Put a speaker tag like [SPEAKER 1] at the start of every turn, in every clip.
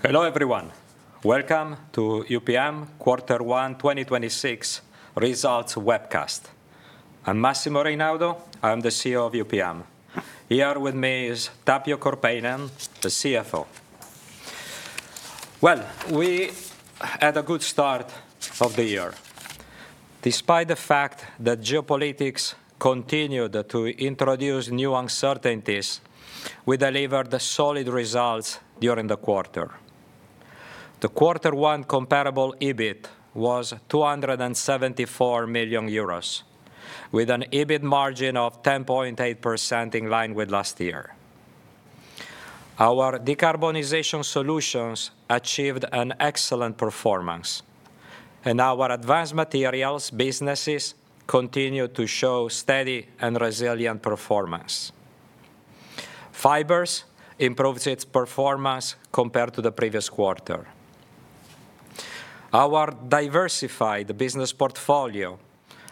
[SPEAKER 1] Hello everyone. Welcome to UPM quarter one 2026 results webcast. I'm Massimo Reynaudo. I'm the CEO of UPM. Here with me is Tapio Korpeinen, the CFO. Well, we had a good start of the year. Despite the fact that geopolitics continued to introduce new uncertainties, we delivered the solid results during the quarter. The quarter one comparable EBIT was 274 million euros, with an EBIT margin of 10.8% in line with last year. Our decarbonization solutions achieved an excellent performance, and our advanced materials businesses continue to show steady and resilient performance. Fibres improved its performance compared to the previous quarter. Our diversified business portfolio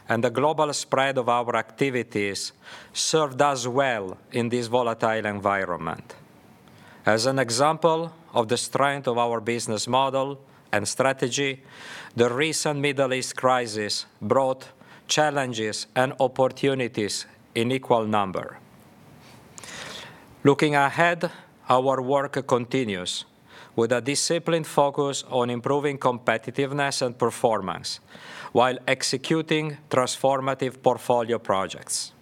[SPEAKER 1] and the global spread of our activities served us well in this volatile environment. As an example of the strength of our business model and strategy, the recent Middle East crisis brought challenges and opportunities in equal number. Looking ahead, our work continues with a disciplined focus on improving competitiveness and performance while executing transformative portfolio projects.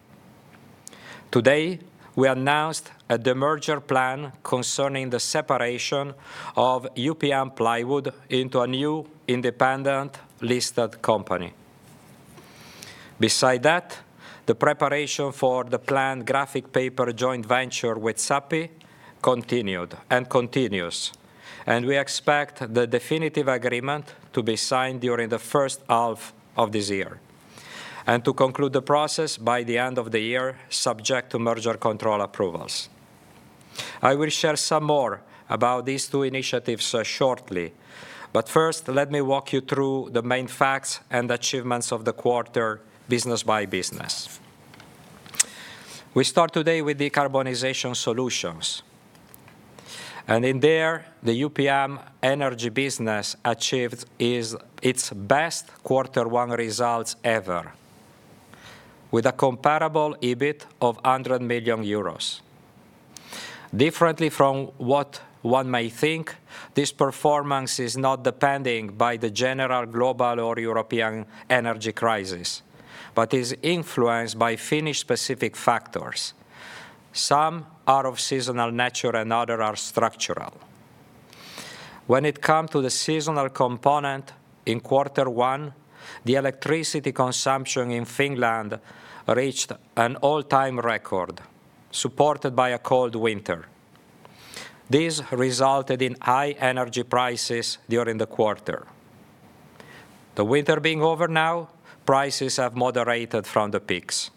[SPEAKER 1] Today, we announced a demerger plan concerning the separation of UPM Plywood into a new independent listed company. Beside that, the preparation for the planned graphic paper joint venture with Sappi continued, and continues. We expect the definitive agreement to be signed during the first half of this year, to conclude the process by the end of the year subject to merger control approvals. I will share some more about these two initiatives shortly. First, let me walk you through the main facts and achievements of the quarter business by business. We start today with decarbonization solutions. In there, the UPM Energy business achieved its best quarter one results ever with a comparable EBIT of 100 million euros. Differently from what one may think, this performance is not depending by the general global or European energy crisis, but is influenced by Finnish-specific factors. Some are of seasonal nature and other are structural. When it come to the seasonal component, in quarter one, the electricity consumption in Finland reached an all-time record supported by a cold winter. This resulted in high energy prices during the quarter. The winter being over now, prices have moderated from the peaks.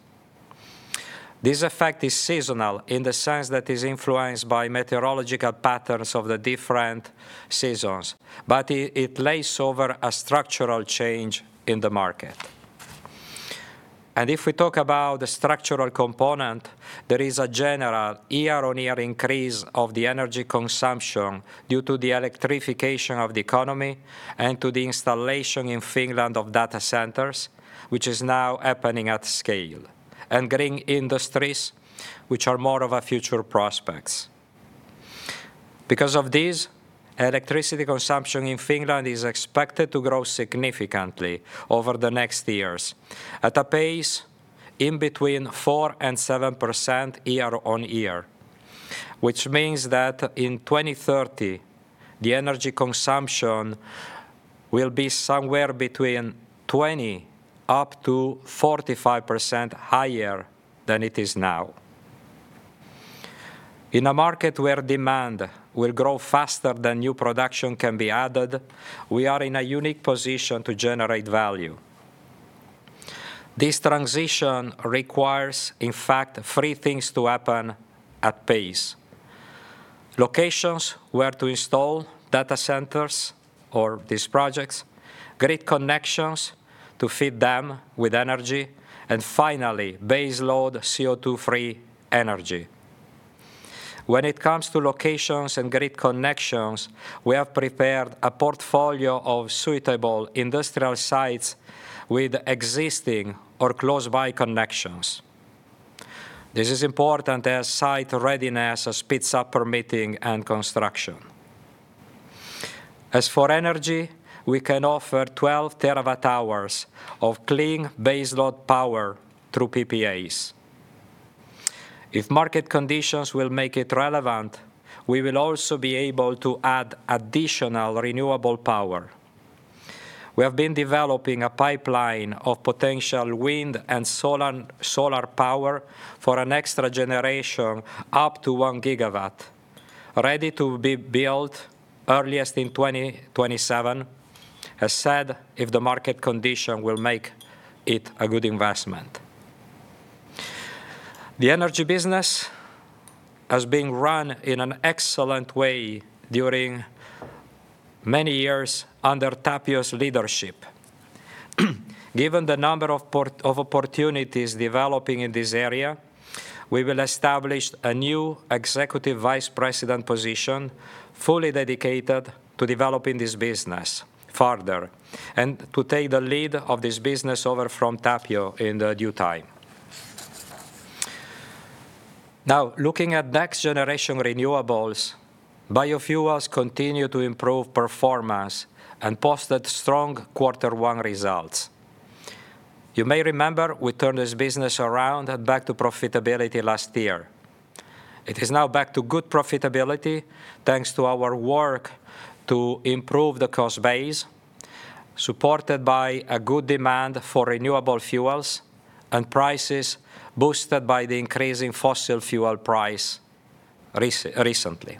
[SPEAKER 1] This effect is seasonal in the sense that it's influenced by meteorological patterns of the different seasons, but it lays over a structural change in the market. If we talk about the structural component, there is a general year-on-year increase of the energy consumption due to the electrification of the economy and to the installation in Finland of data centers, which is now happening at scale. Green industries, which are more of a future prospects. Because of this, electricity consumption in Finland is expected to grow significantly over the next years at a pace in between 4% and 7% year on year. Which means that in 2030, the energy consumption will be somewhere between 20%-45% higher than it is now. In a market where demand will grow faster than new production can be added, we are in a unique position to generate value. This transition requires in fact three things to happen at pace: locations where to install data centers or these projects, grid connections to feed them with energy, and finally, base load CO2 free energy. When it comes to locations and grid connections, we have prepared a portfolio of suitable industrial sites with existing or close by connections This is important as site readiness speeds up permitting and construction. As for energy, we can offer 12 terawatt-hours of clean base load power through PPAs. If market conditions will make it relevant, we will also be able to add additional renewable power. We have been developing a pipeline of potential wind and solar power for an extra generation up to 1 GW, ready to be built earliest in 2027, as said, if the market condition will make it a good investment. The Energy business has been run in an excellent way during many years under Tapio's leadership. Given the number of opportunities developing in this area, we will establish a new Executive Vice President position fully dedicated to developing this business further, and to take the lead of this business over from Tapio in the due time. Now, looking at next generation renewables, biofuels continue to improve performance and posted strong Q1 results. You may remember we turned this business around and back to profitability last year. It is now back to good profitability, thanks to our work to improve the cost base, supported by a good demand for renewable fuels and prices boosted by the increasing fossil fuel price recently.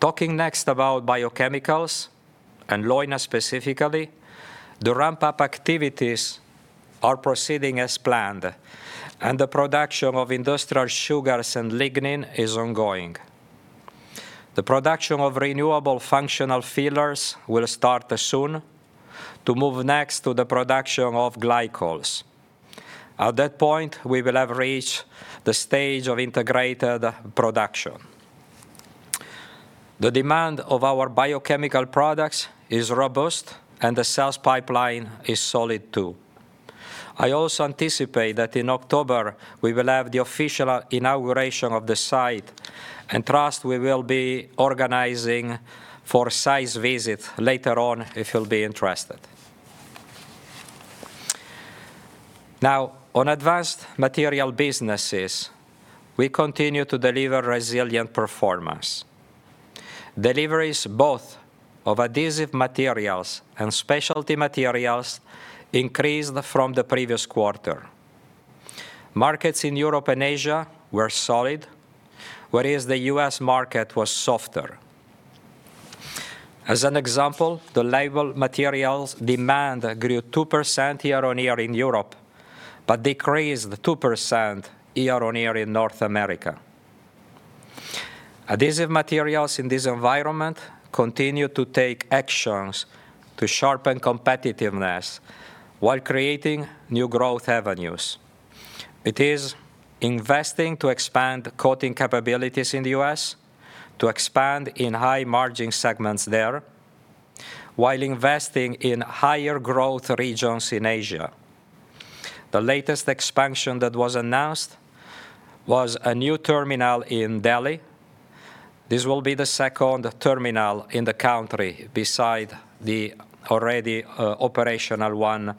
[SPEAKER 1] Talking next about biochemicals, and Leuna specifically, the ramp-up activities are proceeding as planned, and the production of industrial sugars and lignin is ongoing. The production of renewable functional fillers will start soon to move next to the production of glycols. At that point, we will have reached the stage of integrated production. The demand of our biochemical products is robust, and the sales pipeline is solid, too. I also anticipate that in October we will have the official inauguration of the site, and trust we will be organizing for site visit later on, if you'll be interested. Now, on advanced materials businesses, we continue to deliver resilient performance. Deliveries both of adhesive materials and specialty materials increased from the previous quarter. Markets in Europe and Asia were solid, whereas the U.S. market was softer. As an example, the label materials demand grew 2% year-over-year in Europe, but decreased 2% year-over-year in North America. Adhesive materials in this environment continue to take actions to sharpen competitiveness while creating new growth avenues. It is investing to expand coating capabilities in the U.S. to expand in high margin segments there, while investing in higher growth regions in Asia. The latest expansion that was announced was a new terminal in Delhi. This will be the second terminal in the country beside the already operational one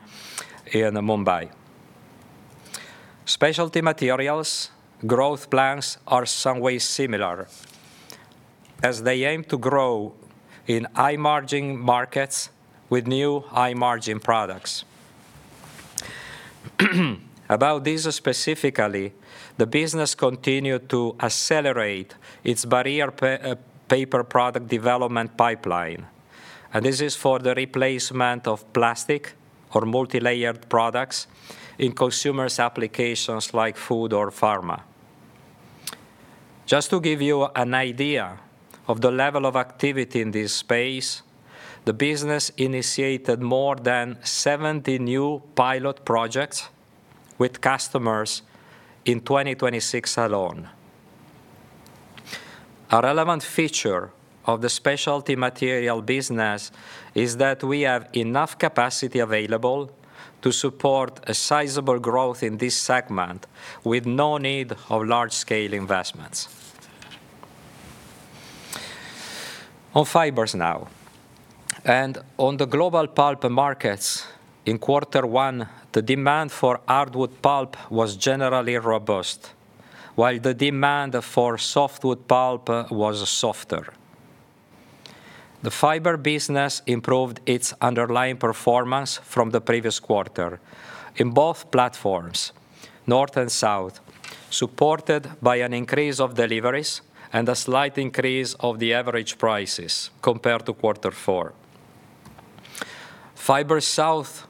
[SPEAKER 1] in Mumbai. Specialty materials growth plans are some way similar as they aim to grow in high margin markets with new high margin products. About this specifically, the business continued to accelerate its barrier paper product development pipeline, and this is for the replacement of plastic or multi-layered products in consumers applications like food or pharma. Just to give you an idea of the level of activity in this space, the business initiated more than 70 new pilot projects with customers in 2026 alone. A relevant feature of the specialty material business is that we have enough capacity available to support a sizable growth in this segment with no need of large scale investments. On Fibres now, and on the global pulp markets, in quarter one, the demand for hardwood pulp was generally robust, while the demand for softwood pulp was softer. The Fibres business improved its underlying performance from the previous quarter in both platforms, north and south, supported by an increase of deliveries and a slight increase of the average prices compared to quarter four. Fibres South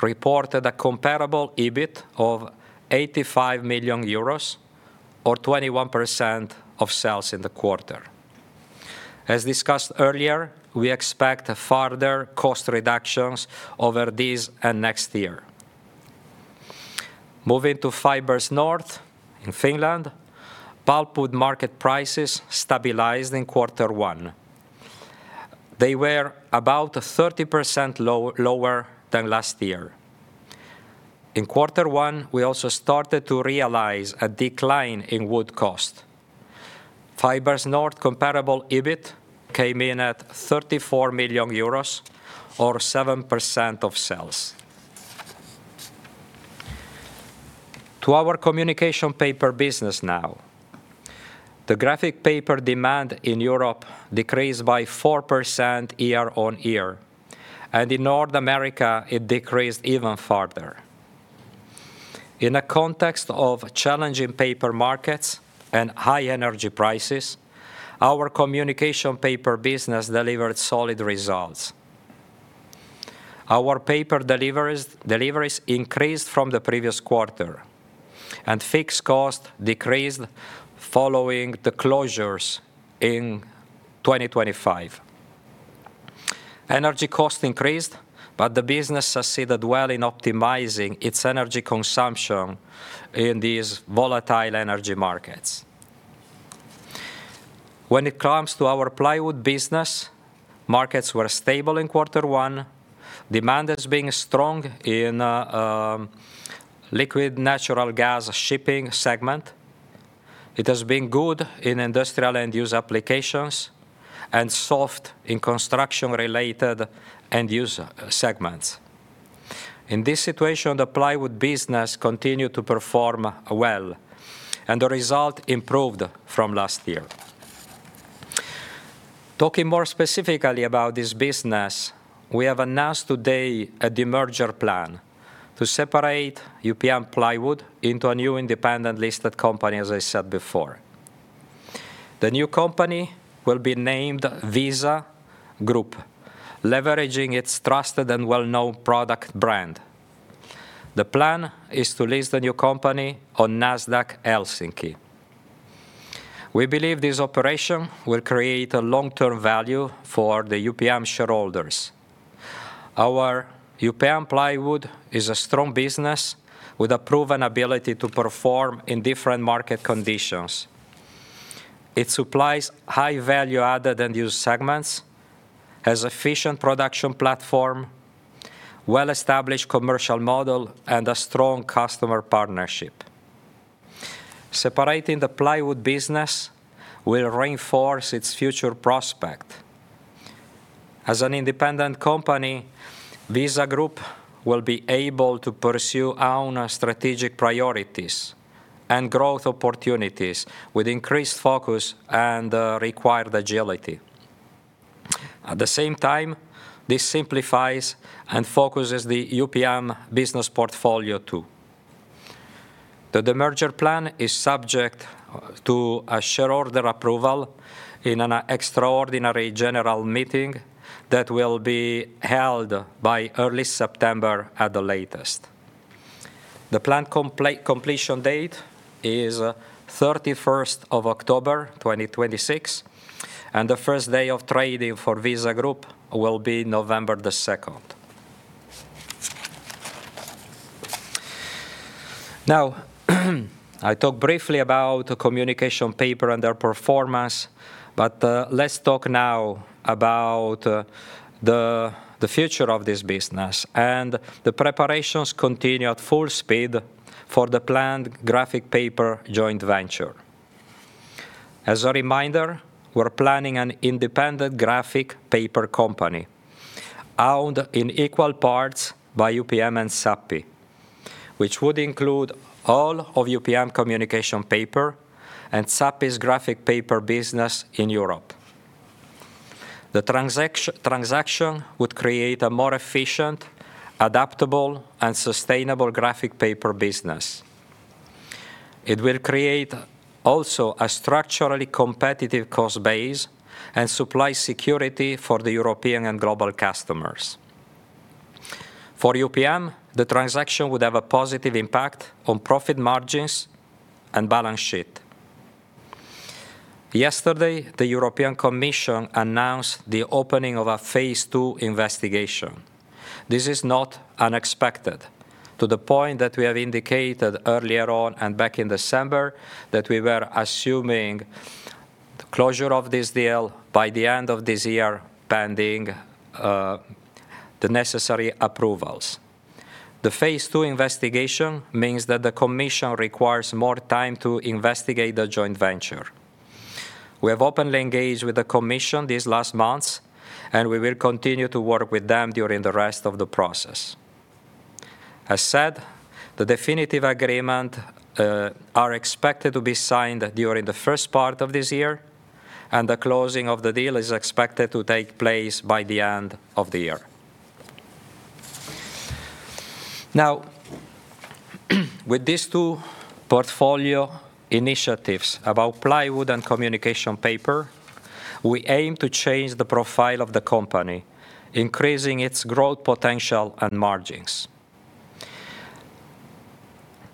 [SPEAKER 1] reported a comparable EBIT of 85 million euros or 21% of sales in the quarter. As discussed earlier, we expect further cost reductions over this and next year. Moving to Fibres North in Finland, pulpwood market prices stabilized in quarter one. They were about 30% lower than last year. In quarter one, we also started to realize a decline in wood cost. Fibres North comparable EBIT came in at 34 million euros or 7% of sales. To our Communication Papers business now. The graphic paper demand in Europe decreased by 4% year-on-year, and in North America it decreased even further. In a context of challenging paper markets and high energy prices, our Communication Papers business delivered solid results. Our paper deliveries increased from the previous quarter. Fixed cost decreased following the closures in 2025. Energy cost increased, the business succeeded well in optimizing its energy consumption in these volatile energy markets. When it comes to our Plywood business, markets were stable in Q1. Demand has been strong in LNG shipping segment. It has been good in industrial end use applications and soft in construction related end user segments. In this situation, the Plywood business continued to perform well, and the result improved from last year. Talking more specifically about this business, we have announced today a demerger plan to separate UPM Plywood into a new independent listed company, as I said before. The new company will be named WISA Group, leveraging its trusted and well-known product brand. The plan is to list the new company on Nasdaq Helsinki. We believe this operation will create a long-term value for the UPM shareholders. Our UPM Plywood is a strong business with a proven ability to perform in different market conditions. It supplies high value added end use segments, has efficient production platform, well-established commercial model, and a strong customer partnership. Separating the Plywood business will reinforce its future prospect. As an independent company, WISA Group will be able to pursue own strategic priorities and growth opportunities with increased focus and required agility. At the same time, this simplifies and focuses the UPM business portfolio too. The demerger plan is subject to a shareholder approval in an extraordinary general meeting that will be held by early September at the latest. The planned completion date is 31st of October 2026, and the 1st day of trading for WISA Group will be November 2nd. I talked briefly about the Communication Papers and their performance, but let's talk now about the future of this business and the preparations continue at full speed for the planned graphic paper joint venture. As a reminder, we're planning an independent graphic paper company owned in equal parts by UPM and Sappi, which would include all of UPM Communication Papers and Sappi's graphic paper business in Europe. The transaction would create a more efficient, adaptable, and sustainable graphic paper business. It will create also a structurally competitive cost base and supply security for the European and global customers. For UPM, the transaction would have a positive impact on profit margins and balance sheet. Yesterday, the European Commission announced the opening of a Phase II investigation. This is not unexpected to the point that we have indicated earlier on and back in December that we were assuming the closure of this deal by the end of this year, pending the necessary approvals. The Phase II investigation means that the Commission requires more time to investigate the joint venture. We have openly engaged with the Commission these last months. We will continue to work with them during the rest of the process. As said, the definitive agreement are expected to be signed during the first part of this year. The closing of the deal is expected to take place by the end of the year. With these two portfolio initiatives about Plywood and Communication Papers, we aim to change the profile of the company, increasing its growth potential and margins.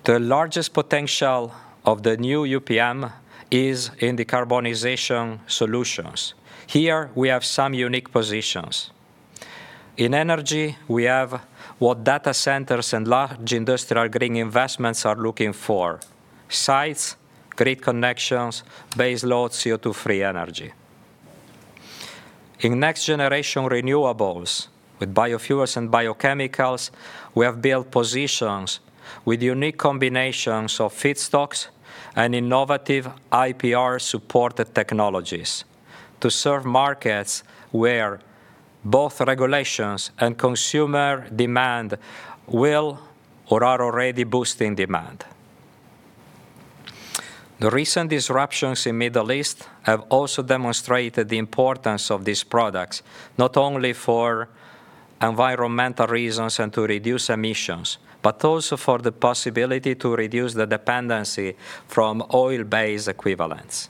[SPEAKER 1] The largest potential of the new UPM is in decarbonization solutions. Here, we have some unique positions. In energy, we have what data centers and large industrial green investments are looking for: sites, grid connections, base load CO2 free energy. In next generation renewables with biofuels and biochemicals, we have built positions with unique combinations of feedstocks and innovative IPR supported technologies to serve markets where both regulations and consumer demand will or are already boosting demand. The recent disruptions in Middle East have also demonstrated the importance of these products, not only for environmental reasons and to reduce emissions, but also for the possibility to reduce the dependency from oil-based equivalents.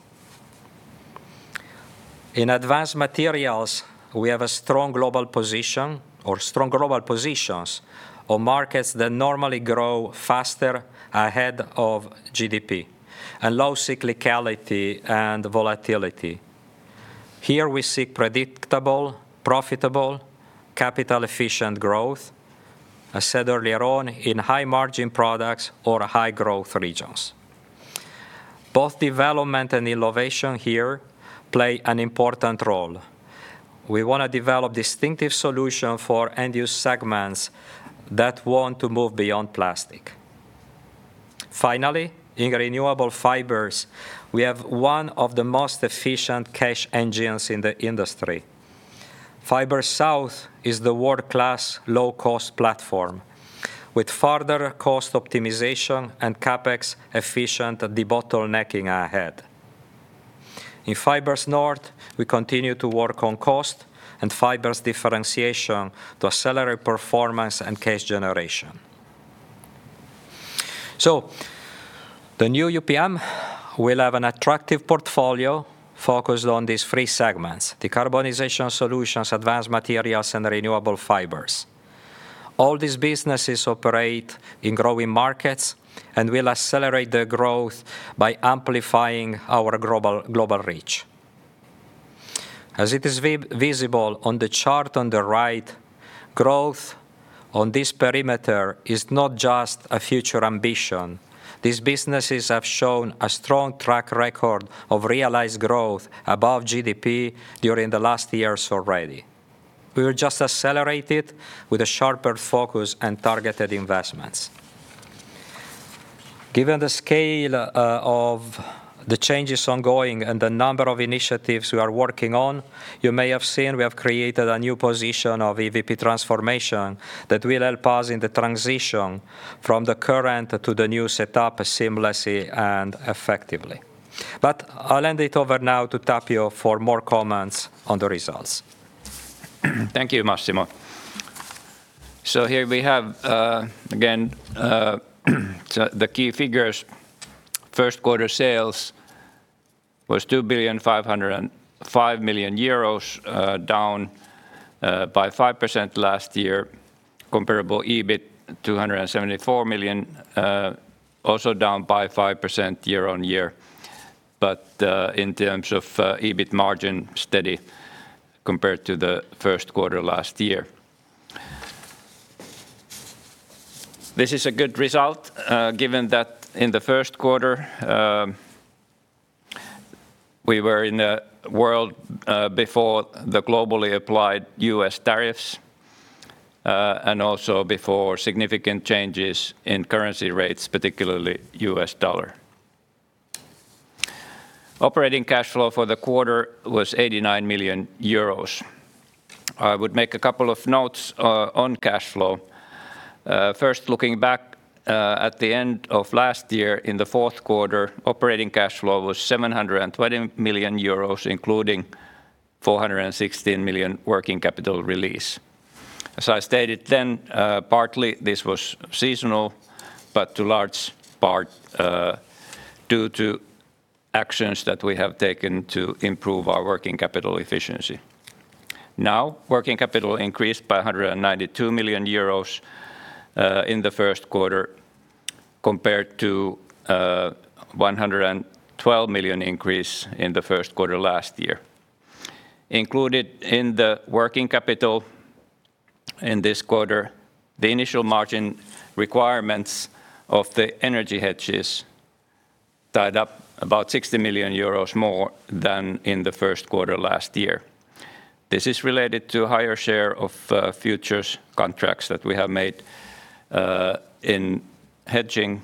[SPEAKER 1] In advanced materials, we have a strong global position or strong global positions or markets that normally grow faster ahead of GDP and low cyclicality and volatility. Here we seek predictable, profitable, capital efficient growth, I said earlier on, in high margin products or high growth regions. Both development and innovation here play an important role. We want to develop distinctive solution for end use segments that want to move beyond plastic. Finally, in renewable fibers, we have one of the most efficient cash engines in the industry. Fibres South is the world-class low-cost platform with further cost optimization and CapEx efficient debottlenecking ahead. In Fibres North, we continue to work on cost and fibres differentiation to accelerate performance and cash generation. The new UPM will have an attractive portfolio focused on these three segments: decarbonization solutions, advanced materials, and renewable fibres. All these businesses operate in growing markets and will accelerate the growth by amplifying our global reach. As it is visible on the chart on the right, growth on this perimeter is not just a future ambition. These businesses have shown a strong track record of realized growth above GDP during the last years already. We were just accelerated with a sharper focus and targeted investments. Given the scale of the changes ongoing and the number of initiatives we are working on, you may have seen we have created a new position of EVP Transformation that will help us in the transition from the current to the new setup seamlessly and effectively. I'll hand it over now to Tapio for more comments on the results.
[SPEAKER 2] Thank you, Massimo. Here we have again the key figures. First quarter sales was 2,505 million euros, down by 5% last year. Comparable EBIT, 274 million, also down by 5% year-on-year. In terms of EBIT margin steady compared to the first quarter last year. This is a good result, given that in the first quarter, we were in a world before the globally applied U.S. tariffs and also before significant changes in currency rates, particularly U.S. dollar. Operating cash flow for the quarter was 89 million euros. I would make a couple of notes on cash flow. First looking back at the end of last year in the fourth quarter, operating cash flow was 720 million euros, including 416 million working capital release. As I stated then, partly this was seasonal, but to large part due to actions that we have taken to improve our working capital efficiency. Now, working capital increased by 192 million euros in the first quarter compared to a 112 million increase in the first quarter last year. Included in the working capital in this quarter, the initial margin requirements of the energy hedges tied up about 60 million euros more than in the first quarter last year. This is related to higher share of futures contracts that we have made in hedging,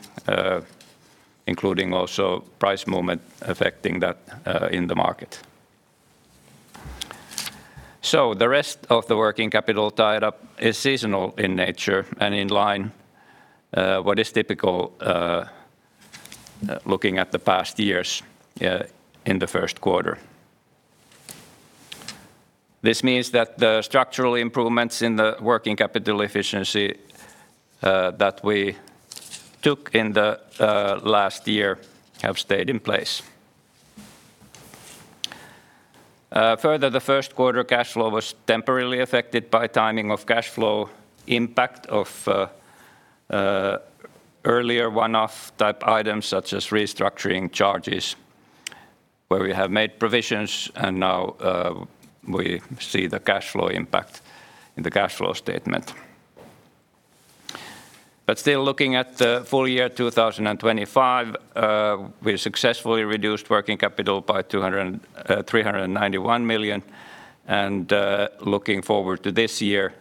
[SPEAKER 2] including also price movement affecting that in the market. The rest of the working capital tied up is seasonal in nature and in line, what is typical, looking at the past years, in the first quarter. This means that the structural improvements in the working capital efficiency that we took in the last year have stayed in place. The first quarter cash flow was temporarily affected by timing of cash flow impact of earlier one-off type items such as restructuring charges, where we have made provisions and now, we see the cash flow impact in the cash flow statement. Still looking at the full year 2025, we successfully reduced working capital by 391 million. Looking forward to this year,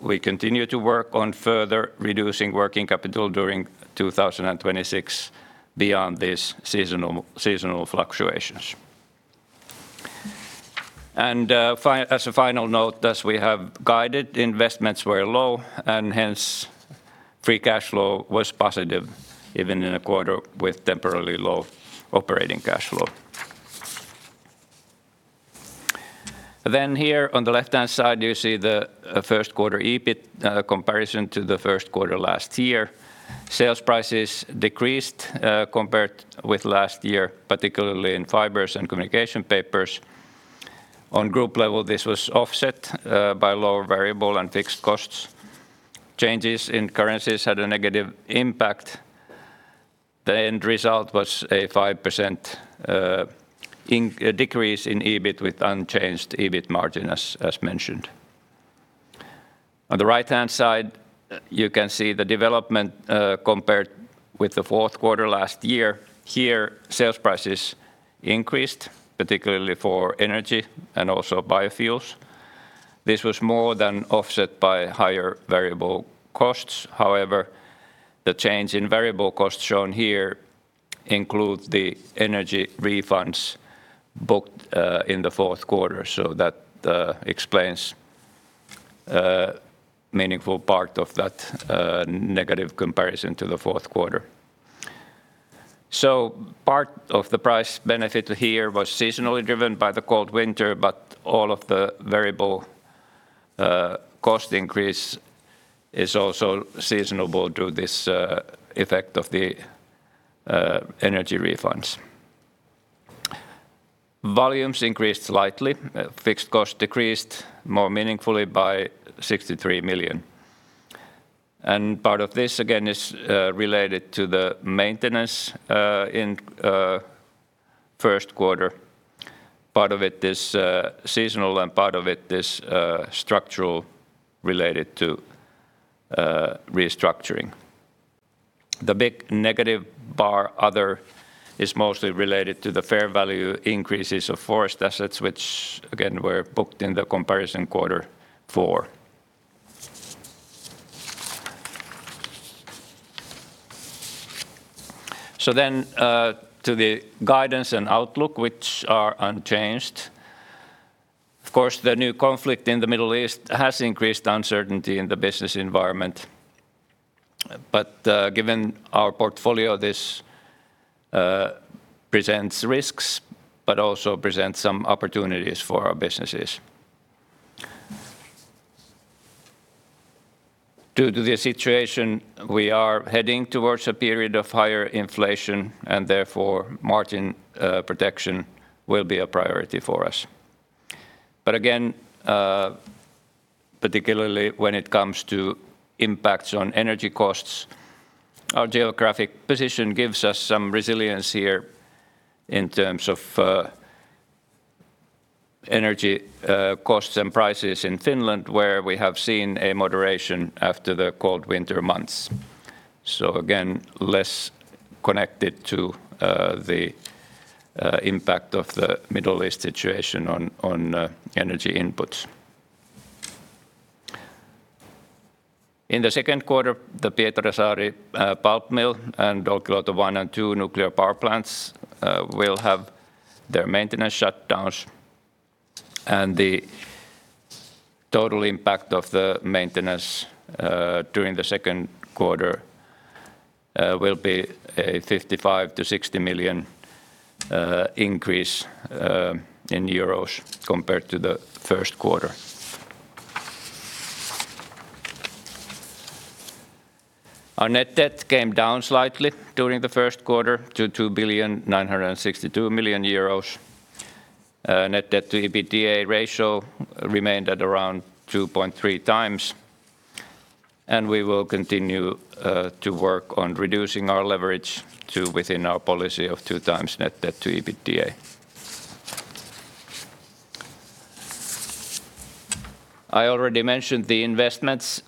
[SPEAKER 2] we continue to work on further reducing working capital during 2026 beyond these seasonal fluctuations. As a final note, as we have guided, investments were low, and hence free cash flow was positive even in a quarter with temporarily low operating cash flow. Here on the left-hand side, you see the first quarter EBIT comparison to the first quarter last year. Sales prices decreased compared with last year, particularly in Fibres and Communication Papers. On group level, this was offset by lower variable and fixed costs. Changes in currencies had a negative impact. The end result was a 5% decrease in EBIT with unchanged EBIT margin, as mentioned. On the right-hand side, you can see the development compared with the fourth quarter last year. Here, sales prices increased, particularly for energy and also biofuels. This was more than offset by higher variable costs. However, the change in variable costs shown here include the energy refunds booked in the fourth quarter. That explains meaningful part of that negative comparison to the fourth quarter. Part of the price benefit here was seasonally driven by the cold winter, but all of the variable cost increase is also seasonal due this effect of the energy refunds. Volumes increased slightly. Fixed cost decreased more meaningfully by 63 million. Part of this again is related to the maintenance in first quarter. Part of it is seasonal and part of it is structural related to restructuring. The big negative bar other is mostly related to the fair value increases of forest assets, which again were booked in the comparison quarter four. To the guidance and outlook, which are unchanged. Of course, the new conflict in the Middle East has increased uncertainty in the business environment. Given our portfolio, this presents risks, but also presents some opportunities for our businesses. Due to the situation, we are heading towards a period of higher inflation, and therefore margin protection will be a priority for us. Again, particularly when it comes to impacts on energy costs, our geographic position gives us some resilience here in terms of energy costs and prices in Finland, where we have seen a moderation after the cold winter months. Again, less connected to the impact of the Middle East situation on energy inputs. In the second quarter, the Pietarsaari pulp mill and Olkiluoto 1 and 2 nuclear power plants will have their maintenance shutdowns, and the total impact of the maintenance during the second quarter will be a 55 million-60 million increase compared to the first quarter. Our net debt came down slightly during the first quarter to 2.962 billion. Net debt-to-EBITDA ratio remained at around 2.3x. We will continue to work on reducing our leverage to within our policy of 2x net debt to EBITDA. I already mentioned the investments,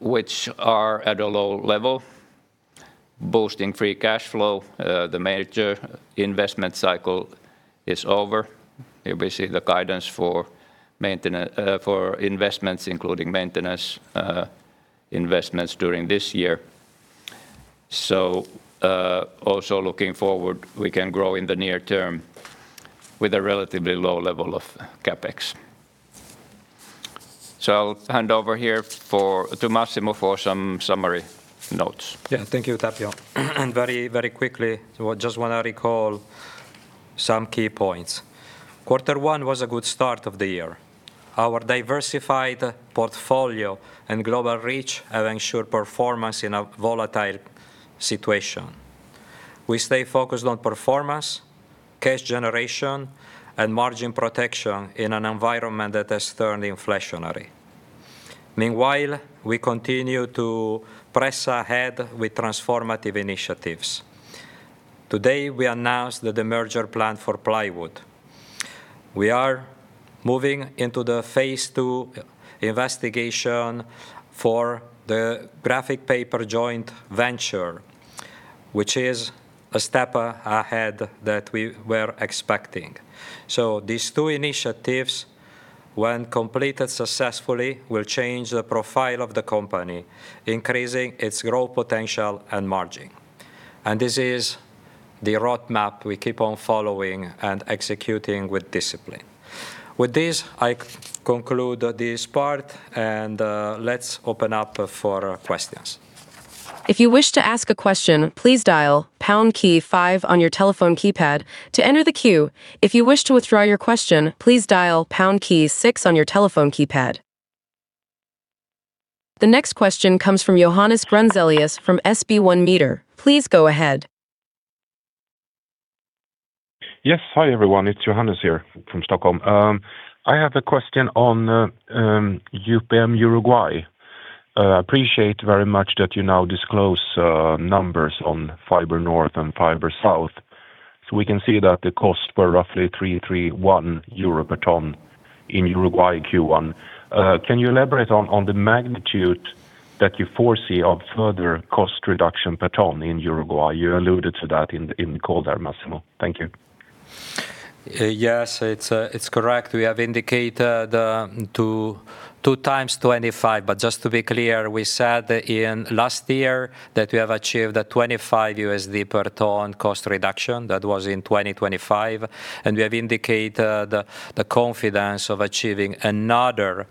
[SPEAKER 2] which are at a low level, boosting free cash flow. The major investment cycle is over. You basically the guidance for investments including maintenance investments during this year. Also looking forward, we can grow in the near term with a relatively low level of CapEx. I'll hand over here for, to Massimo for some summary notes.
[SPEAKER 1] Thank you, Tapio. Very, very quickly, I just want to recall some key points. quarter one was a good start of the year. Our diversified portfolio and global reach have ensured performance in a volatile situation. We stay focused on performance, cash generation, and margin protection in an environment that has turned inflationary. Meanwhile, we continue to press ahead with transformative initiatives. Today, we announced that the merger plan for Plywood. We are moving into the Phase II investigation for the graphic paper joint venture, which is a step ahead that we were expecting. These two initiatives, when completed successfully, will change the profile of the company, increasing its growth potential and margin. This is the roadmap we keep on following and executing with discipline. With this, I conclude this part, and let's open up for questions.
[SPEAKER 3] If you wish to ask a question, please dial pound key five on your telephone keypad to enter the queue. If you wish to withdraw your question, please dial pound key six on your telephone keypad. The next question comes from Johannes Grunselius from [SB1 Markets]. Please go ahead.
[SPEAKER 4] Yes. Hi, everyone. It's Johannes here from Stockholm. I have a question on UPM Uruguay. Appreciate very much that you now disclose numbers on Fibres North and Fibres South. We can see that the cost were roughly 331 euro per ton in Uruguay Q1. Can you elaborate on the magnitude that you foresee of further cost reduction per ton in Uruguay? You alluded to that in the call there, Massimo. Thank you.
[SPEAKER 1] Yes, it's correct. We have indicated 2 times 25. Just to be clear, we said that in last year that we have achieved a 25 USD per ton cost reduction. That was in 2025. We have indicated the confidence of achieving another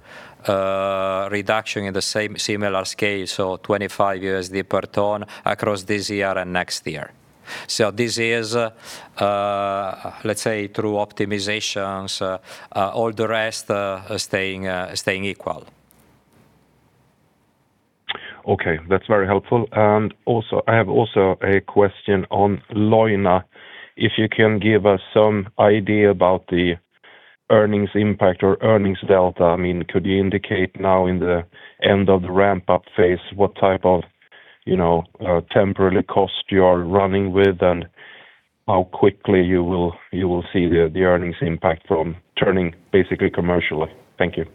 [SPEAKER 1] reduction in the same similar scale, so 25 USD per ton across this year and next year. This is, let's say, through optimizations, all the rest staying equal.
[SPEAKER 4] Okay. That's very helpful. I have a question on Leuna. If you can give us some idea about the earnings impact or earnings delta. I mean, could you indicate now in the end of the ramp-up phase what type of, you know, temporary cost you are running with and how quickly you will see the earnings impact from turning basically commercially? Thank you.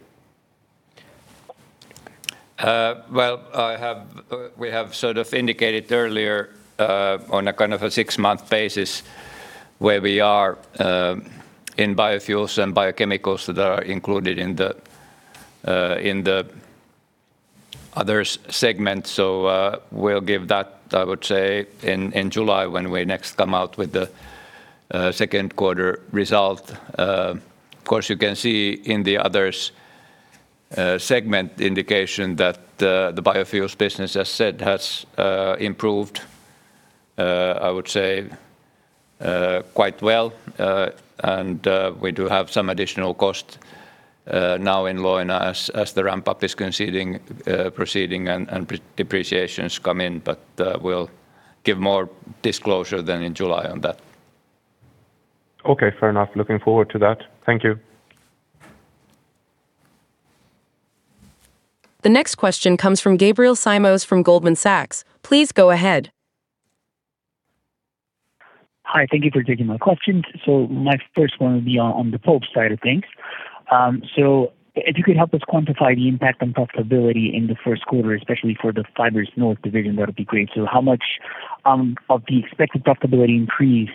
[SPEAKER 2] Well, we have sort of indicated earlier, on a kind of a six-month basis where we are, in biofuels and biochemicals that are included in the others segment. We'll give that, I would say, in July when we next come out with the second quarter result. Of course, you can see in the others segment indication that the biofuels business, as said, has improved, I would say, quite well. We do have some additional cost now in Leuna as the ramp-up is proceeding and depreciations come in. We'll give more disclosure than in July on that.
[SPEAKER 4] Okay, fair enough. Looking forward to that. Thank you.
[SPEAKER 3] The next question comes from Gabriel Simões from Goldman Sachs. Please go ahead.
[SPEAKER 5] Hi. Thank you for taking my questions. My first one will be on the pulp side of things. If you could help us quantify the impact on profitability in the first quarter, especially for the Fibres North division, that would be great. How much of the expected profitability increase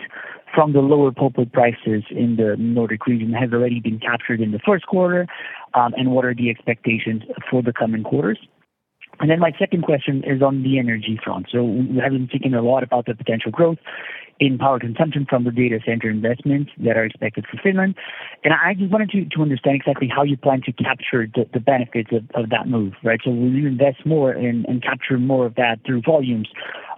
[SPEAKER 5] from the lower pulp prices in the Nordic region has already been captured in the first quarter? What are the expectations for the coming quarters? My second question is on the energy front. We have been thinking a lot about the potential growth in power consumption from the data center investments that are expected for Finland. I just wanted to understand exactly how you plan to capture the benefits of that move, right? Will you invest more and capture more of that through volumes?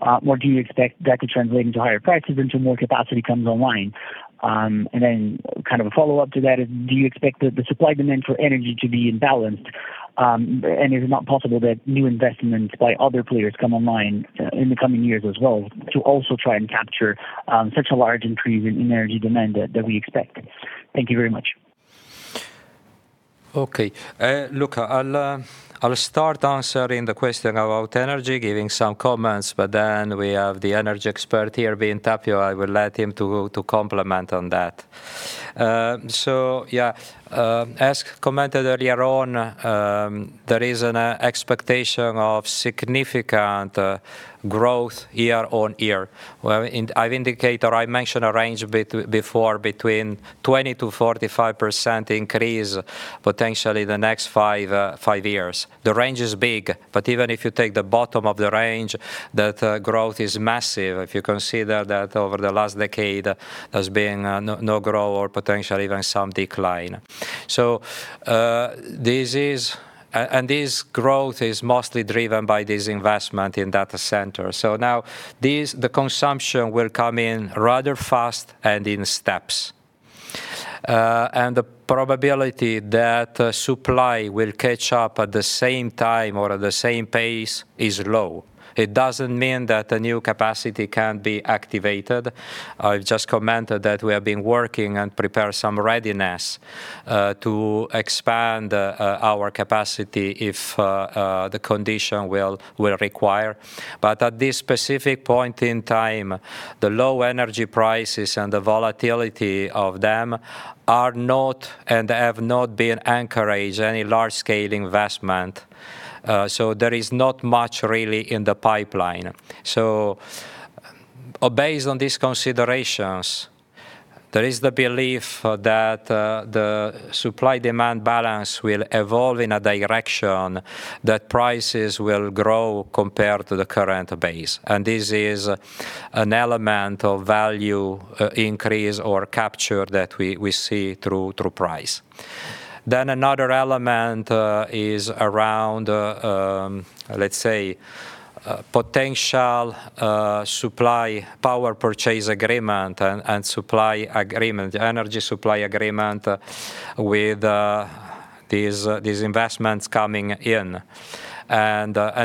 [SPEAKER 5] Do you expect that to translate into higher prices until more capacity comes online? Kind of a follow-up to that is, do you expect the supply demand for energy to be imbalanced? Is it not possible that new investments by other players come online in the coming years as well to also try and capture such a large increase in energy demand that we expect? Thank you very much.
[SPEAKER 1] Look, I'll start answering the question about energy, giving some comments, but then we have the energy expert here being Tapio. I will let him to complement on that. Yeah. As commented earlier on, there is an expectation of significant growth year on year. I've indicated or I mentioned a range before between 20%-45% increase potentially the next five years. The range is big, but even if you take the bottom of the range, that growth is massive if you consider that over the last decade there's been no growth or potentially even some decline. And this growth is mostly driven by this investment in data center. Now the consumption will come in rather fast and in steps. The probability that supply will catch up at the same time or at the same pace is low. It doesn't mean that a new capacity can't be activated. I've just commented that we have been working and prepare some readiness to expand our capacity if the condition will require. At this specific point in time, the low energy prices and the volatility of them are not and have not been anchorage any large-scale investment. There is not much really in the pipeline. Based on these considerations, there is the belief that the supply-demand balance will evolve in a direction that prices will grow compared to the current base. This is an element of value increase or capture that we see through price. Another element is around let's say potential supply Power Purchase Agreement and supply agreement, energy supply agreement with these investments coming in.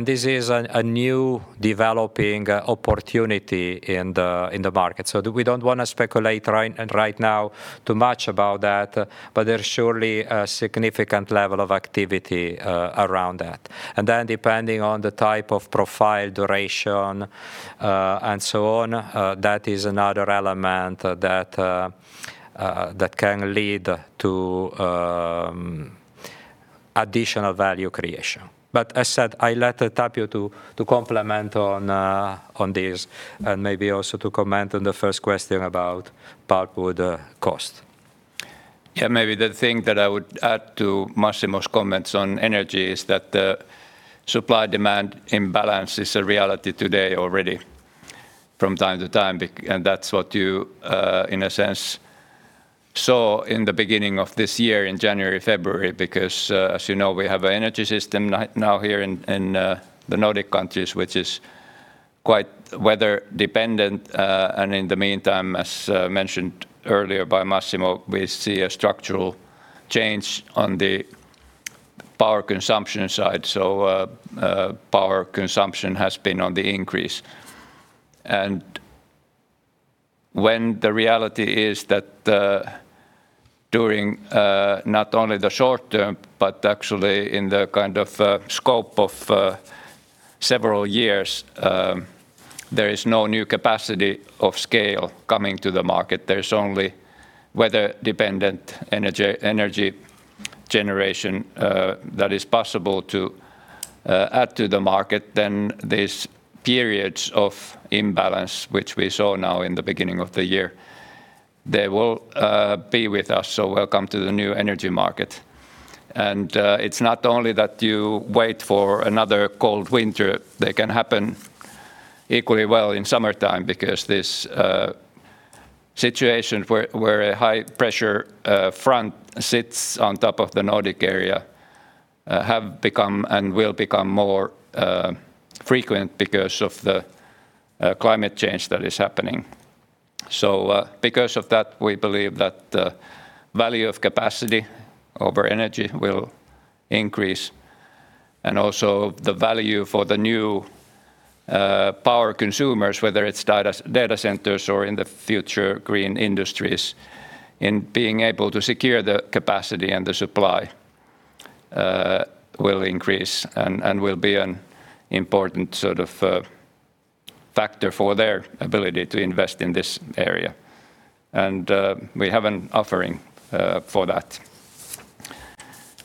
[SPEAKER 1] This is a new developing opportunity in the market. We don't wanna speculate right now too much about that, but there's surely a significant level of activity around that. Depending on the type of profile duration and so on, that is another element that can lead to additional value creation. As said, I let Tapio to complement on this and maybe also to comment on the first question about pulpwood cost.
[SPEAKER 2] Yeah, maybe the thing that I would add to Massimo's comments on energy is that the supply-demand imbalance is a reality today already from time to time, and that's what you in a sense saw in the beginning of this year in January, February. As you know, we have an energy system now here in the Nordic countries which is quite weather dependent. In the meantime, as mentioned earlier by Massimo, we see a structural change on the power consumption side. Power consumption has been on the increase. When the reality is that during not only the short term but actually in the kind of scope of several years, there is no new capacity of scale coming to the market. There's only weather-dependent energy generation that is possible to add to the market than these periods of imbalance which we saw now in the beginning of the year. They will be with us, so welcome to the new energy market. It's not only that you wait for another cold winter. They can happen equally well in summertime because this situation where a high-pressure front sits on top of the Nordic area have become and will become more frequent because of the climate change that is happening. Because of that, we believe that the value of capacity over energy will increase, and also the value for the new power consumers, whether it's data centers or in the future green industries, in being able to secure the capacity and the supply will increase and will be an important sort of factor for their ability to invest in this area.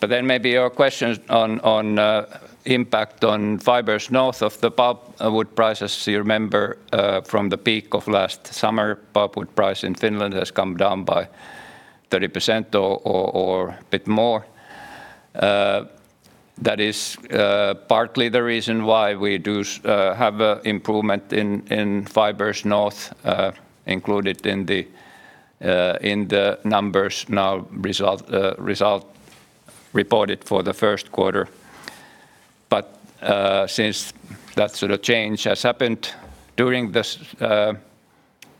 [SPEAKER 2] Maybe your question on impact on Fibres North of the pulp wood prices. You remember, from the peak of last summer, pulpwood price in Finland has come down by 30% or a bit more. That is partly the reason why we do have an improvement in Fibres North, included in the numbers now result reported for the first quarter. Since that sort of change has happened during this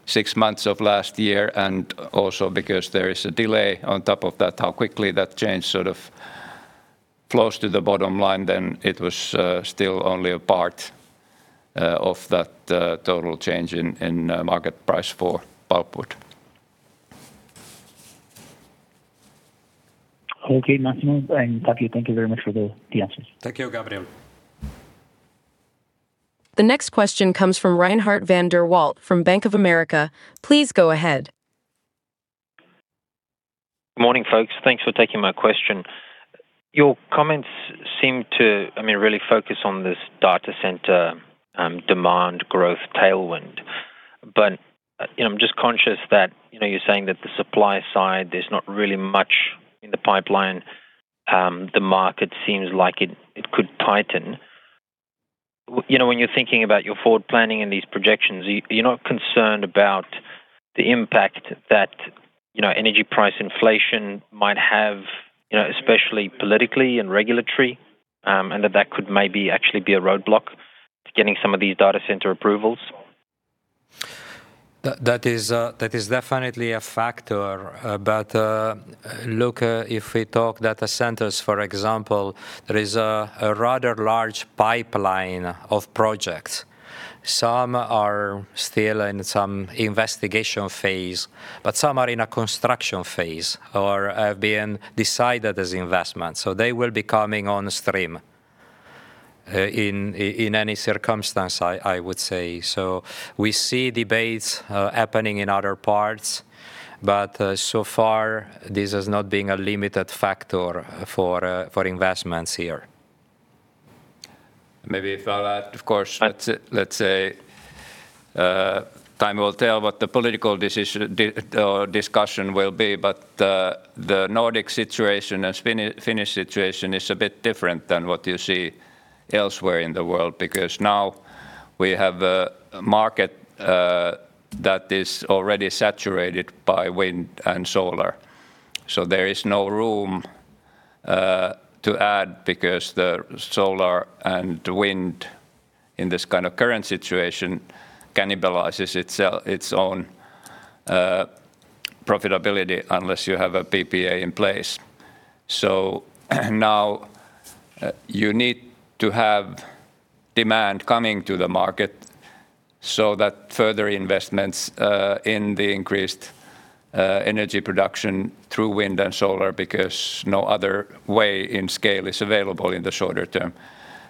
[SPEAKER 2] six months of last year and also because there is a delay on top of that how quickly that change sort of flows to the bottom line, it was still only a part of that total change in market price for pulpwood.
[SPEAKER 5] Okay, Massimo and Tapio, thank you very much for the answers.
[SPEAKER 1] Thank you, Gabriel.
[SPEAKER 3] The next question comes from Reinhardt van der Walt from Bank of America. Please go ahead.
[SPEAKER 6] Morning, folks. Thanks for taking my question. Your comments seem to, I mean, really focus on this data center demand growth tailwind. You know, I'm just conscious that, you know, you're saying that the supply side, there's not really much in the pipeline. The market seems like it could tighten. You know, when you're thinking about your forward planning and these projections, are you not concerned about the impact that, you know, energy price inflation might have, you know, especially politically and regulatory, and that could maybe actually be a roadblock to getting some of these data center approvals?
[SPEAKER 1] That is definitely a factor. Look, if we talk data centers, for example, there is a rather large pipeline of projects. Some are still in some investigation phase, but some are in a construction phase or have been decided as investment. They will be coming on stream in any circumstance, I would say. We see debates happening in other parts, but so far this has not been a limited factor for investments here.
[SPEAKER 2] Maybe if I'll add, of course.
[SPEAKER 6] Right
[SPEAKER 2] Let's say time will tell what the political discussion will be. The Nordic situation and specific Finnish situation is a bit different than what you see elsewhere in the world because now we have a market that is already saturated by wind and solar. There is no room to add because the solar and wind in this kind of current situation cannibalizes its own profitability unless you have a PPA in place. Now you need to have demand coming to the market so that further investments in increased energy production through wind and solar because no other way in scale is available in the shorter term.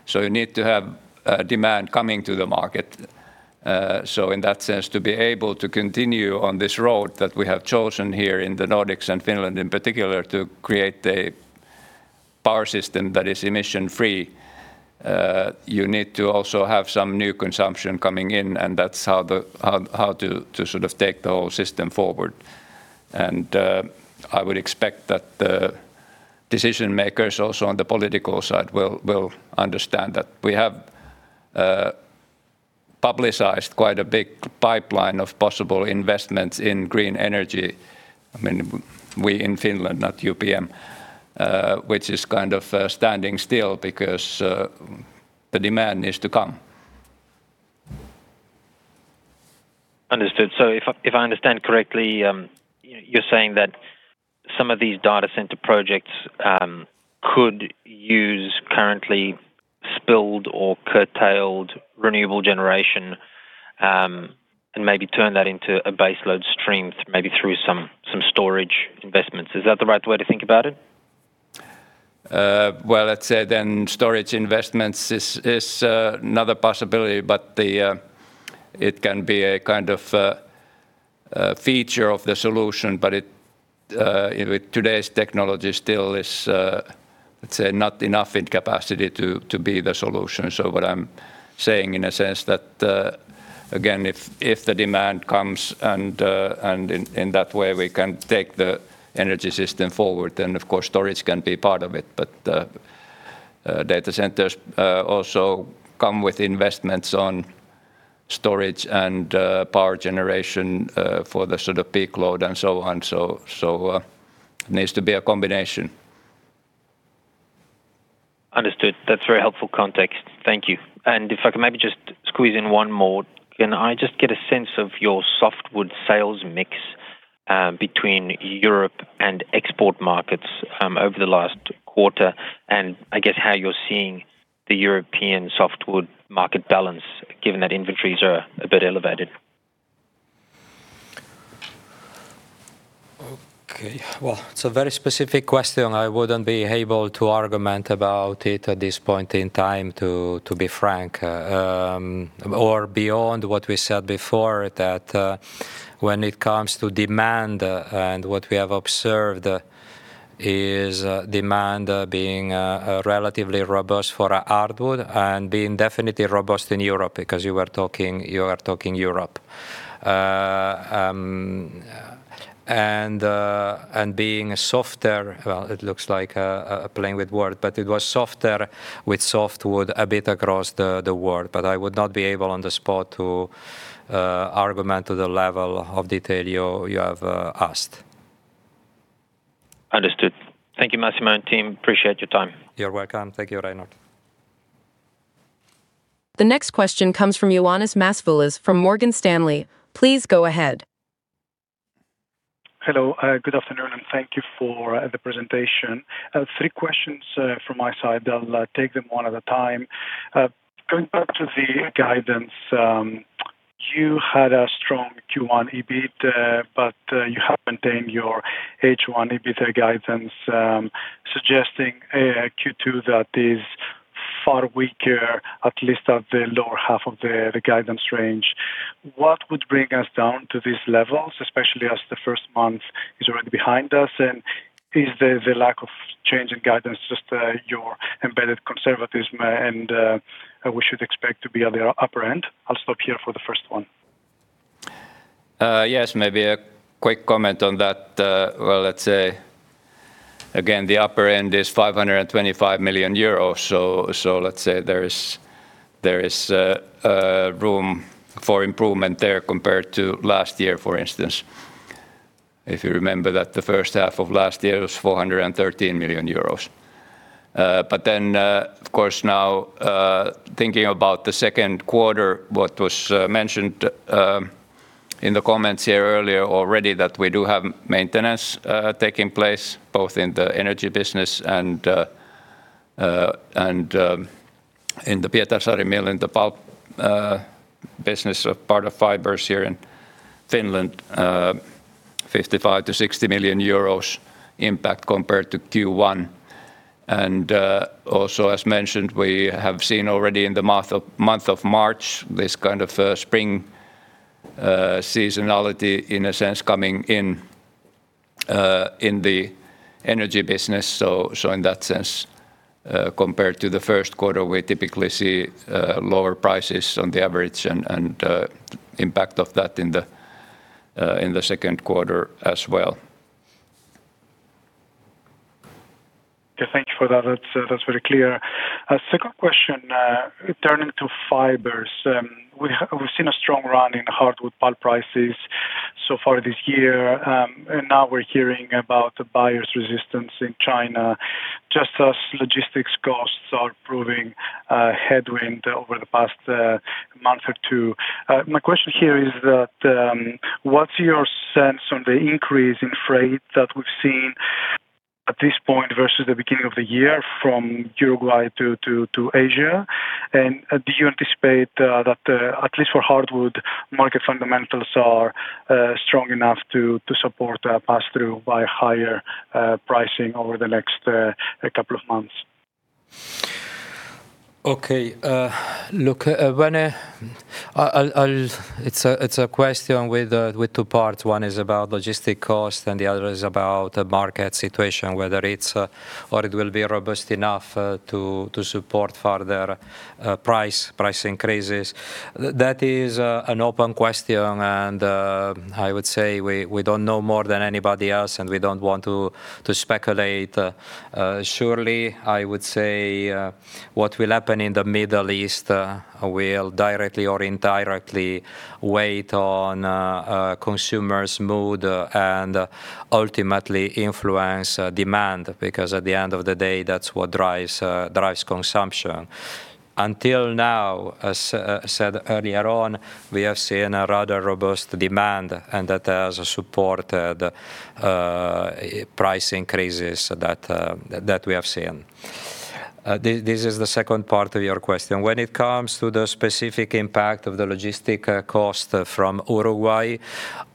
[SPEAKER 2] You need to have demand coming to the market. In that sense, to be able to continue on this road that we have chosen here in the Nordics and Finland in particular to create a power system that is emission free, you need to also have some new consumption coming in, and that's how to sort of take the whole system forward. I would expect that the decision-makers also on the political side will understand that we have publicized quite a big pipeline of possible investments in green energy. I mean, we in Finland, not UPM, which is kind of standing still because the demand needs to come.
[SPEAKER 6] Understood. If I understand correctly, you're saying that some of these data center projects could use currently spilled or curtailed renewable generation, and maybe turn that into a base load stream maybe through some storage investments. Is that the right way to think about it?
[SPEAKER 2] Well, let's say storage investments is another possibility, but the. It can be a kind of feature of the solution, but it, you know, with today's technology still is, let's say, not enough in capacity to be the solution. What I'm saying in a sense that again, if the demand comes and in that way we can take the energy system forward, then of course storage can be part of it. Data centers also come with investments on storage and power generation for the sort of peak load and so on. Needs to be a combination.
[SPEAKER 6] Understood. That's very helpful context. Thank you. If I could maybe just squeeze in one more. Can I just get a sense of your softwood sales mix, between Europe and export markets, over the last quarter, and I guess how you're seeing the European softwood market balance given that inventories are a bit elevated?
[SPEAKER 1] Well, it's a very specific question. I wouldn't be able to argue about it at this point in time, to be frank. Or beyond what we said before that, when it comes to demand, and what we have observed is demand being relatively robust for our hardwood and being definitely robust in Europe because you are talking Europe. And being softer. Well, it looks like playing with words, but it was softer with softwood a bit across the world. I would not be able on the spot to argue to the level of detail you have asked.
[SPEAKER 6] Understood. Thank you, Massimo and team. Appreciate your time.
[SPEAKER 1] You're welcome. Thank you, Reinhardt.
[SPEAKER 3] The next question comes from Ioannis Masvoulas from Morgan Stanley. Please go ahead.
[SPEAKER 7] Hello, good afternoon, and thank you for the presentation. I have three questions from my side. I'll take them one at a time. Going back to the guidance, you had a strong Q1 EBIT, but you have maintained your H1 EBIT guidance, suggesting a Q2 that is far weaker, at least at the lower half of the guidance range. What would bring us down to these levels, especially as the first month is already behind us? Is the lack of change in guidance just your embedded conservatism and we should expect to be at the upper end? I'll stop here for the first one.
[SPEAKER 2] Yes, maybe a quick comment on that. Well, let's say again, the upper end is 525 million euros. Let's say there is room for improvement there compared to last year, for instance. If you remember that the first half of last year was 413 million euros. Of course, now, thinking about the second quarter, what was mentioned in the comments here earlier already that we do have maintenance taking place both in the Energy business and in the Pietarsaari mill in the pulp business part of Fibres here in Finland, 55 million-60 million euros impact compared to Q1. Also as mentioned, we have seen already in the month of March this kind of spring seasonality in a sense coming in in the Energy business. In that sense, compared to the first quarter, we typically see lower prices on the average and impact of that in the second quarter as well.
[SPEAKER 7] Yeah, thank you for that. That's very clear. Second question, turning to Fibres. We've seen a strong run in hardwood pulp prices so far this year, and now we're hearing about the buyers' resistance in China just as logistics costs are proving a headwind over the past month or two. My question here is that, what's your sense on the increase in freight that we've seen at this point versus the beginning of the year from Uruguay to Asia? Do you anticipate that at least for hardwood market fundamentals are strong enough to support pass-through by higher pricing over the next couple of months?
[SPEAKER 1] Look, it's a question with two parts. One is about logistics cost, and the other is about the market situation, whether it's or it will be robust enough to support further price increases. That is an open question, and I would say we don't know more than anybody else, and we don't want to speculate. Surely, I would say, what will happen in the Middle East will directly or indirectly weigh on a consumer's mood and ultimately influence demand because at the end of the day, that's what drives consumption. Until now, as said earlier on, we have seen a rather robust demand, and that has supported price increases that we have seen. This is the second part of your question. When it comes to the specific impact of the logistics cost from Uruguay,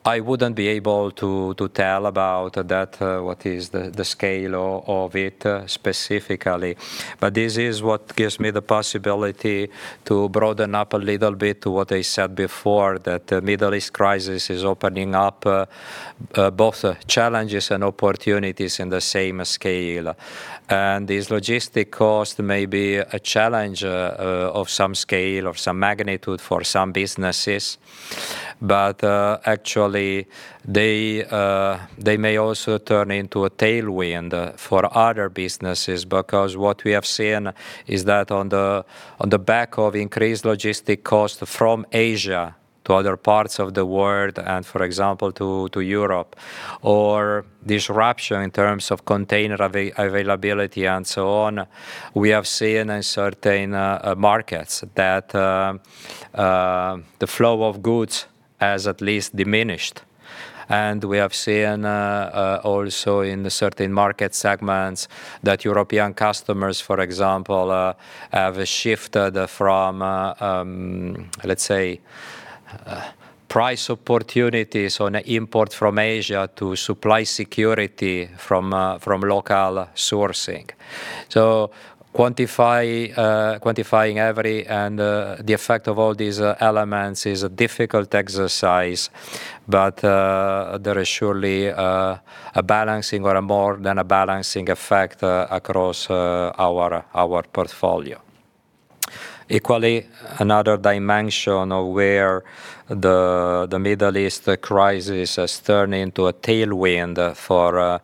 [SPEAKER 1] I wouldn't be able to tell about that, what is the scale of it specifically. But this is what gives me the possibility to broaden up a little bit to what I said before, that the Middle East crisis is opening up both challenges and opportunities in the same scale. This logistics cost may be a challenge of some scale, of some magnitude for some businesses. Actually, they may also turn into a tailwind for other businesses because what we have seen is that on the back of increased logistics costs from Asia to other parts of the world and, for example, to Europe or disruption in terms of container availability and so on, we have seen in certain markets that the flow of goods has at least diminished. We have seen also in certain market segments that European customers, for example, have shifted from, let's say, price opportunities on import from Asia to supply security from local sourcing. Quantifying the effect of all these elements is a difficult exercise, but there is surely a balancing or a more than a balancing effect across our portfolio. Equally, another dimension of where the Middle East crisis has turned into a tailwind for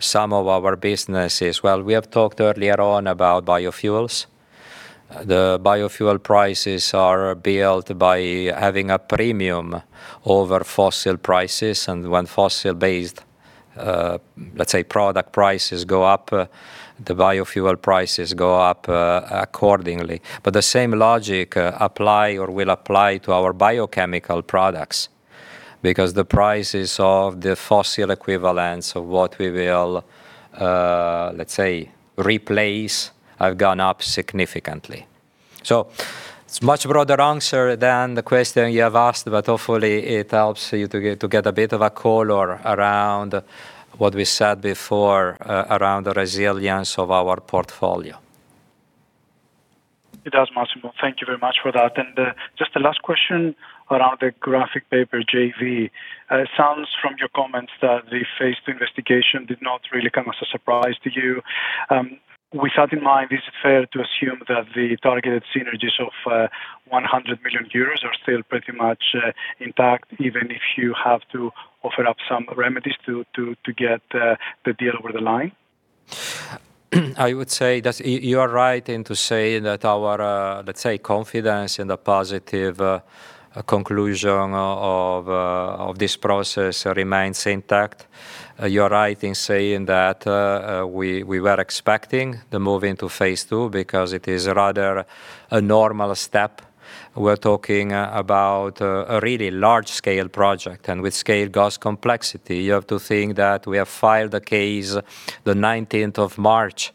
[SPEAKER 1] some of our businesses. Well, we have talked earlier on about biofuels. The biofuel prices are built by having a premium over fossil prices, and when fossil-based, let's say, product prices go up, the biofuel prices go up accordingly. The same logic apply or will apply to our biochemical products because the prices of the fossil equivalence of what we will, let's say, replace have gone up significantly. It's much broader answer than the question you have asked, but hopefully it helps you to get a bit of a color around what we said before, around the resilience of our portfolio.
[SPEAKER 7] It does, Massimo. Thank you very much for that. Just a last question around the Graphic Paper JV. It sounds from your comments that the Phase II investigation did not really come as a surprise to you. With that in mind, is it fair to assume that the targeted synergies of 100 million euros are still pretty much intact, even if you have to offer up some remedies to get the deal over the line?
[SPEAKER 1] I would say that you are right, and to say that our, let's say, confidence in the positive conclusion of this process remains intact. You are right in saying that, we were expecting the move into Phase II because it is rather a normal step. We're talking about a really large scale project, and with scale goes complexity. You have to think that we have filed the case the nineteenth of March,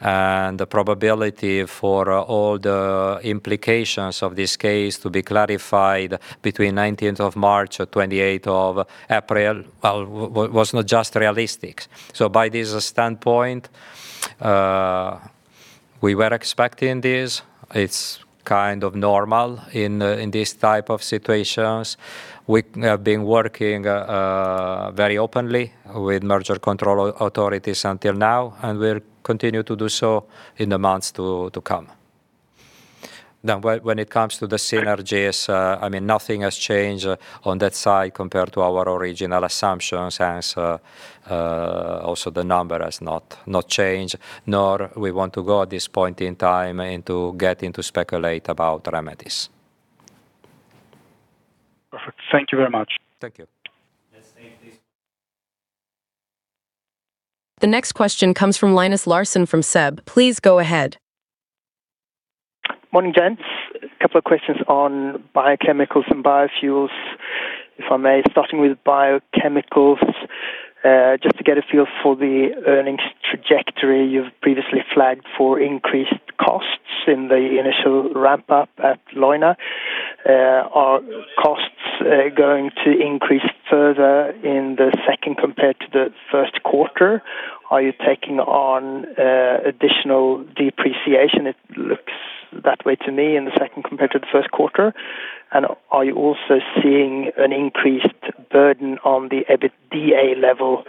[SPEAKER 1] and the probability for all the implications of this case to be clarified between nineteenth of March or twenty-eight of April, was not just realistic. By this standpoint, we were expecting this. It's kind of normal in these type of situations. We have been working very openly with merger control authorities until now, and we'll continue to do so in the months to come. When it comes to the synergies, I mean, nothing has changed on that side compared to our original assumptions as also the number has not changed, nor we want to go at this point in time and to get into speculate about remedies.
[SPEAKER 7] Perfect. Thank you very much.
[SPEAKER 1] Thank you.
[SPEAKER 2] Yes, thank you.
[SPEAKER 3] The next question comes from Linus Larsson from SEB. Please go ahead.
[SPEAKER 8] Morning, gents. A couple of questions on biochemicals and biofuels, if I may. Starting with biochemicals, just to get a feel for the earnings trajectory you've previously flagged for increased costs in the initial ramp up at Leuna. Are costs going to increase further in the second compared to the first quarter? Are you taking on additional depreciation? It looks that way to me in the second compared to the first quarter. Are you also seeing an increased burden on the EBITDA level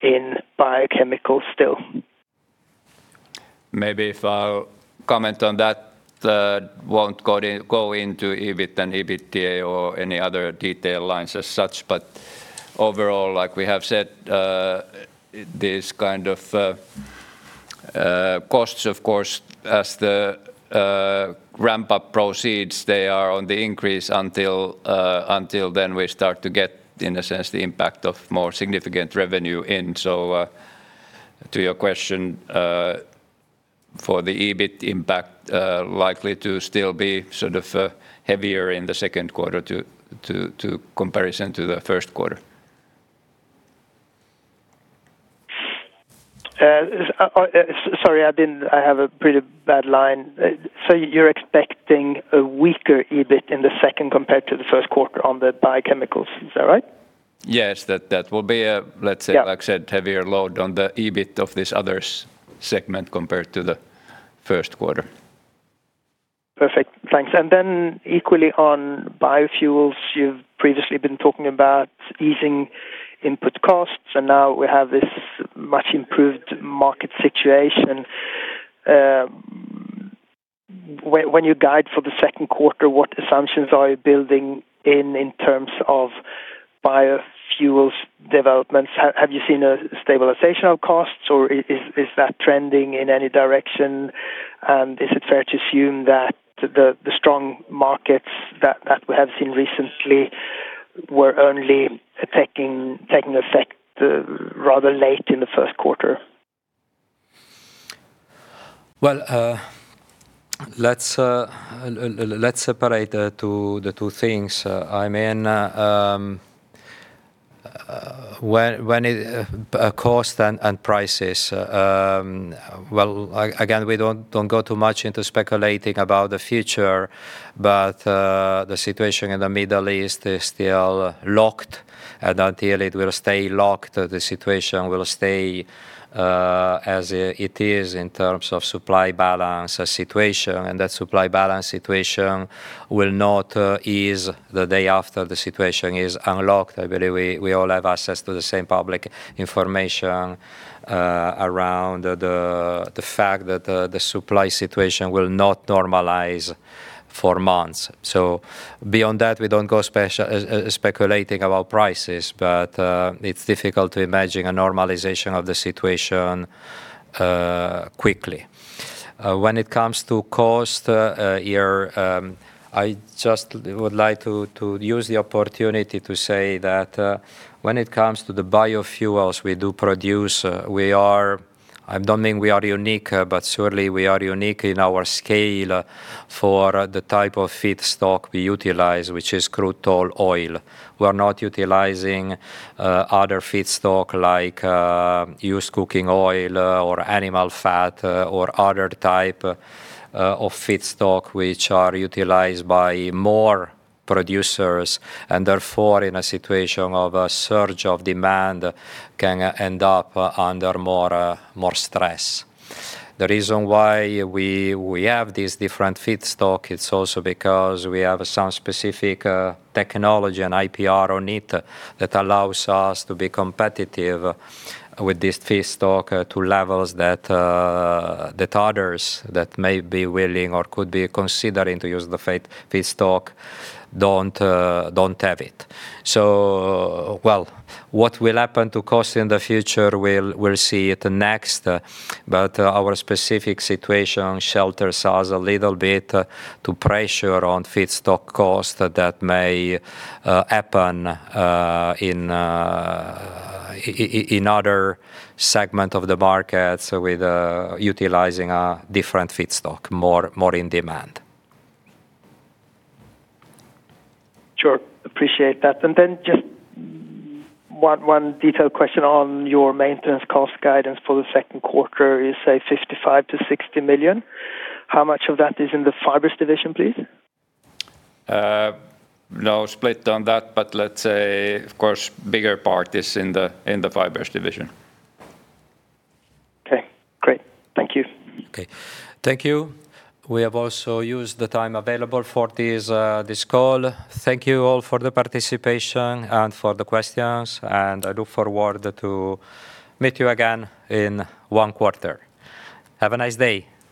[SPEAKER 8] in biochemicals still?
[SPEAKER 2] Maybe if I'll comment on that, won't go in, go into EBIT and EBITDA or any other detail lines as such. Overall, like we have said, this kind of costs of course as the ramp-up proceeds, they are on the increase until then we start to get, in a sense, the impact of more significant revenue in. To your question, for the EBIT impact, likely to still be sort of heavier in the second quarter to comparison to the first quarter.
[SPEAKER 8] Sorry, I didn't. I have a pretty bad line. You're expecting a weaker EBIT in the second compared to the first quarter on the biochemicals. Is that right?
[SPEAKER 2] Yes. That will be a—
[SPEAKER 8] Yeah
[SPEAKER 2] —like I said, heavier load on the EBIT of this other segment compared to the first quarter.
[SPEAKER 8] Perfect. Thanks. Equally on biofuels, you've previously been talking about easing input costs, and now we have this much improved market situation. When you guide for the second quarter, what assumptions are you building in in terms of biofuels developments? Have you seen a stabilization of costs, or is that trending in any direction? Is it fair to assume that the strong markets that we have seen recently were only affecting, taking effect, rather late in the first quarter?
[SPEAKER 1] Well, let's separate the two things. I mean, cost and prices. Well again, we don't go too much into speculating about the future. The situation in the Middle East is still locked. Until it will stay locked, the situation will stay as it is in terms of supply balance situation. That supply balance situation will not ease the day after the situation is unlocked. I believe we all have access to the same public information around the fact that the supply situation will not normalize for months. Beyond that, we don't go speculating about prices. It's difficult to imagine a normalization of the situation quickly. When it comes to cost, here, I just would like to use the opportunity to say that, when it comes to the biofuels we do produce, we are—I don't think we are unique, but surely we are unique in our scale for the type of feedstock we utilize, which is crude tall oil. We are not utilizing other feedstock like used cooking oil or animal fat or other type of feedstock which are utilized by more producers. Therefore, in a situation of a surge of demand can end up under more, more stress. The reason why we have these different feedstock, it's also because we have some specific technology and IPR on it that allows us to be competitive with this feedstock to levels that others that may be willing or could be considering to use the feedstock don't have it. Well, what will happen to cost in the future, we'll see it next. Our specific situation shelters us a little bit to pressure on feedstock cost that may happen in other segment of the markets with utilizing a different feedstock more in demand.
[SPEAKER 8] Sure. Appreciate that. Then just one detailed question on your maintenance cost guidance for the second quarter is, say, 55 million-60 million. How much of that is in the fibers division, please?
[SPEAKER 2] No split on that, but let's say of course bigger part is in the Fibres division.
[SPEAKER 8] Okay, great. Thank you.
[SPEAKER 1] Okay. Thank you. We have also used the time available for this call. Thank you all for the participation and for the questions. I look forward to meet you again in one quarter. Have a nice day.